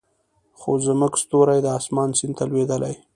خو زموږ ستوري د اسمان سیند ته لویدلې